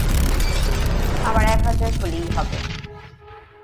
আমার এক হাজার হলেই হবে।